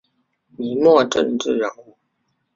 明末政治人物。